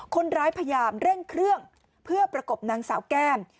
คนร้ายพยายามเร่งเครื่องเพื่อประกบนางสาวแก้ม